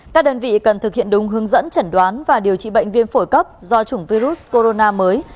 các đơn vị cần thực hiện đúng hướng dẫn chẩn đoán và điều trị bệnh viêm phổi cấp do chủng virus corona mới